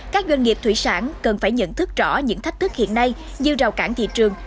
các doanh nghiệp thủy sản cần phải nhận thức rõ những thách thức hiện nay như rào cản thị trường